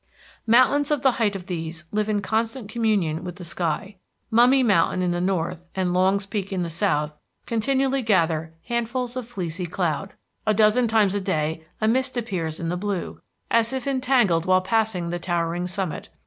Mountains of the height of these live in constant communion with the sky. Mummy Mountain in the north and Longs Peak in the south continually gather handfuls of fleecy cloud. A dozen times a day a mist appears in the blue, as if entangled while passing the towering summit.